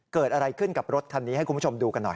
เกิดอะไรขึ้นกับรถคันนี้ให้คุณผู้ชมดูกันหน่อย